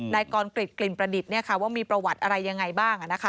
นายกรกริจกลิ่นประดิษฐ์ว่ามีประวัติอะไรยังไงบ้าง